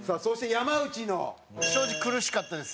山内：正直、苦しかったです。